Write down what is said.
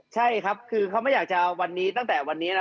ใช่ครับคือเขาไม่อยากจะวันนี้ตั้งแต่วันนี้แล้ว